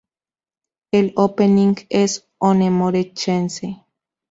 El opening es "One More Chance!!